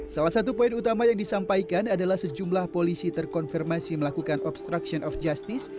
salah satu poin utama yang disampaikan adalah sejumlah polisi terkonfirmasi melakukan obstruction of justice